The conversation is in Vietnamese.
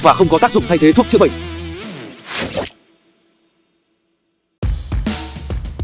và không có tác dụng thay thế thuốc chữa bệnh